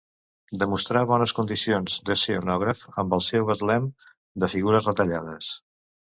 Demostrà bones condicions d'escenògraf amb el seu betlem de figures retallades.